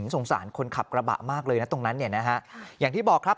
สงสารคนขับกระบะมากเลยนะตรงนั้นเนี่ยนะฮะอย่างที่บอกครับ